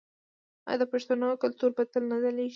آیا د پښتنو کلتور به تل نه ځلیږي؟